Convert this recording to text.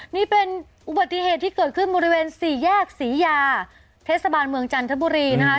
นี่เป็นอุบัติเหตุที่เกิดขึ้นบริเวณสี่แยกศรียาเทศบาลเมืองจันทบุรีนะคะ